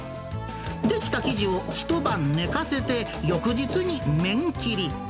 出来た生地を一晩寝かせて、翌日に麺切り。